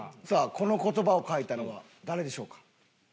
この言葉を書いたのは誰でしょうか？